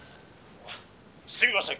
「すみません」。